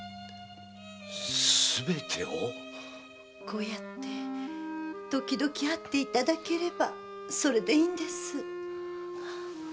こうやって時々会っていただければそれでいいんです。